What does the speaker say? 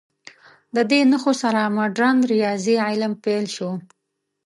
د دې نښو سره مډرن ریاضي علم پیل شو.